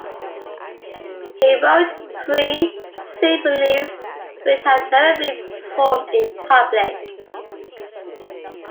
He wrote three symphonies which have never been performed in public.